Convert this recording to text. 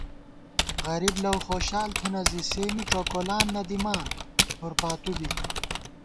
غریب لَؤ خوشال تھنہ زی سےمی ڄوکولان نہ دِمان کھُر پاتُو بی